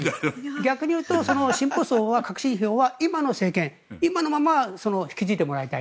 逆に言うと進歩層は革新層は今の政権今のまま引き継いでもらいたい。